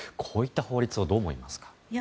こういった法律をどう思いますか？